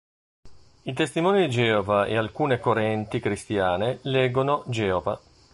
I Testimoni di Geova e alcune correnti cristiane leggono: "Geova".